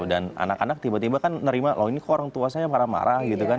dan anak anak tiba tiba kan nerima loh ini kok orang tua saya marah marah gitu kan